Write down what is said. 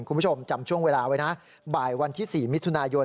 คุณผู้ชมจำช่วงเวลาไว้นะบ่ายวันที่๔มิถุนายน